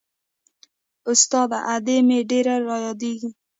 استاده ادې مې ډېره رايادېږي.